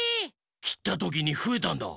きったときにふえたんだ。